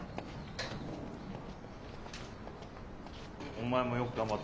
お前もよく頑張った。